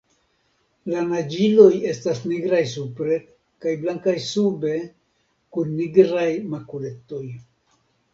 La naĝiloj estas nigraj supre kaj blankaj sube kun nigraj makuletoj.